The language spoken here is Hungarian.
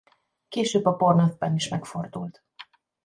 Később a Bournemouthban is megfordult.